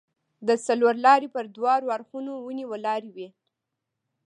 د څلورلارې پر دواړو اړخو ونې ولاړې وې.